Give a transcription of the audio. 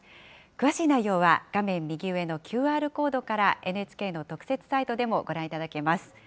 詳しい内容は画面右上のＱＲコードからＮＨＫの特設サイトでもご覧いただけます。